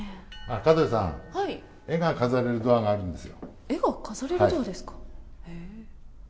角谷さん、絵が飾れるドアがあるんですよ。